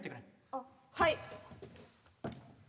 あっはい！